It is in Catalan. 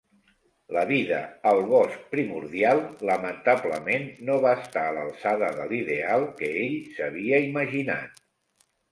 La vida al bosc primordial lamentablement no va estar a l'alçada de l'ideal que ell s'havia imaginat.